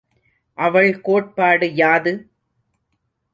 அவள் கோட்பாடு யாது?